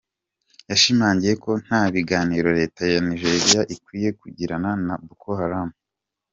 Yashimangiye ko nta biganiro leta ya Nigeria ikwiye kugirana na Boko Haram.